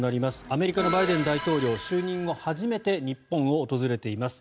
アメリカのバイデン大統領就任後初めて日本を訪れています。